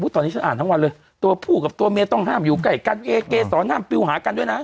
ตอนนี้ฉันอ่านทั้งวันเลยตัวผู้กับตัวเมียต้องห้ามอยู่ใกล้กันเอเกสอนห้ามปิวหากันด้วยนะ